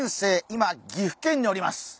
今岐阜県におります！